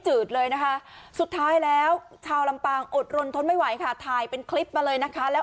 ืดเลยนะคะสุดท้ายแล้วชาวลำปางอดรนทนไม่ไหวค่ะถ่ายเป็นคลิปมาเลยนะคะแล้ว